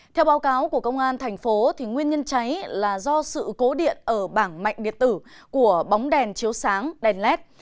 theo báo cáo của công an thành phố nguyên nhân cháy là do sự cố điện ở bảng mạnh điện tử của bóng đèn chiếu sáng đèn led